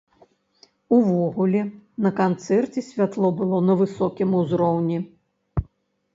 Увогуле, на канцэрце святло было на высокім ўзроўні.